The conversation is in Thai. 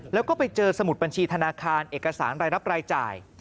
แล้วก็ไปเจอสมุดบัญชีธนาคารเอกสารรายรับรายจ่าย